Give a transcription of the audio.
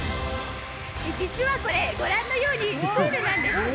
実はこれ、ご覧のように、プールなんです。